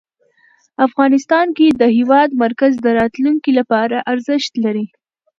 افغانستان کې د هېواد مرکز د راتلونکي لپاره ارزښت لري.